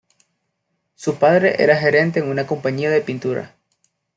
Su padre era gerente en una compañía de pintura.